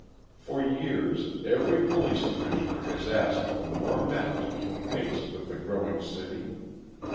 For years, every Police Commissioner has asked for more men to keep pace with the growing city.